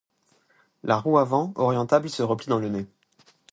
La roue avant, orientable, se replie dans le nez.